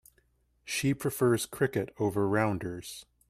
She prefers cricket over rounders.